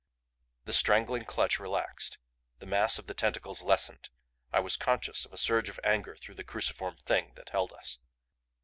The strangling clutch relaxed, the mass of the tentacles lessened. I was conscious of a surge of anger through the cruciform Thing that held us.